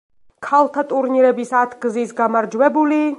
ქალთა ტურნირების ათგზის გამარჯვებული.